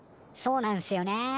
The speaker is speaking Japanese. そうなんすよね